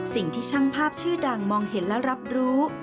สิ่งที่ช่างภาพชื่อดังมองเห็นและรับรู้